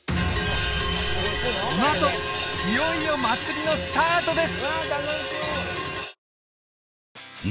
このあといよいよ祭りのスタートです